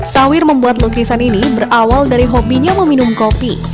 tawir membuat lukisan ini berawal dari hobinya meminum kopi